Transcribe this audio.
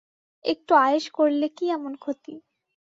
একটু আয়েশ করলে কি এমন ক্ষতি!